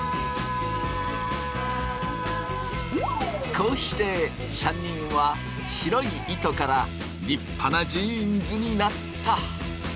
こうして３人は白い糸から立派なジーンズになった。